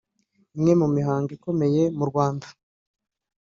imwe mu mihango ikomeyemu rwanda